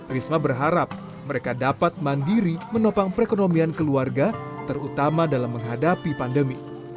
risma berharap mereka dapat mandiri menopang perekonomian keluarga terutama dalam menghadapi pandemi